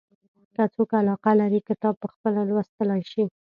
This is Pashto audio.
که څوک علاقه لري کتاب پخپله لوستلای شي.